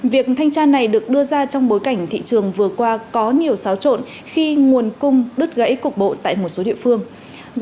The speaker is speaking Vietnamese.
việc thanh tra này được đưa ra trong bối cảnh thị trường vừa qua có nhiều xáo trộn khi nguồn cung đứt gãy cục bộ tại một số địa phương